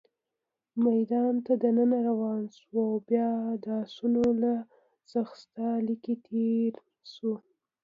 میدان ته دننه روان شوو، او بیا د اسونو له ځغاست لیکې تېر شوو.